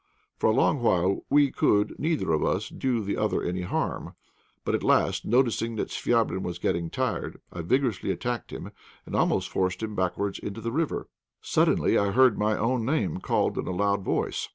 For a long while we could neither of us do the other any harm, but at last, noticing that Chvabrine was getting tired, I vigorously attacked him, and almost forced him backwards into the river. Suddenly I heard my own name called in a loud voice.